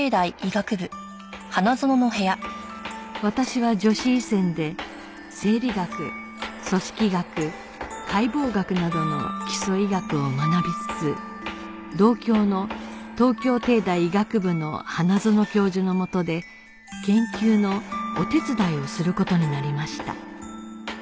私は女子医専で生理学組織学解剖学などの基礎医学を学びつつ同郷の東京帝大医学部の花園教授のもとで研究のお手伝いをする事になりました